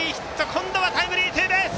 今度はタイムリーツーベース。